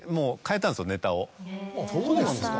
そうなんですか。